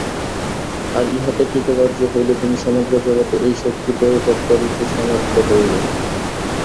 আর ইহাতে কৃতকার্য হইলে তুমি সমগ্র জগতে এই শক্তি প্রয়োগ করিতে সমর্থ হইবে।